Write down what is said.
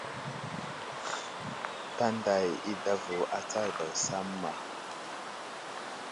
Tanday i adavo atsar daw samma.